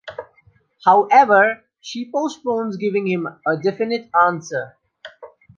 However, she postpones giving him a definite answer.